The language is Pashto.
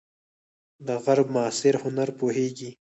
د غرب معاصر هنر پوهیږئ؟